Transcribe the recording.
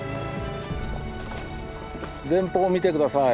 前方見て下さい。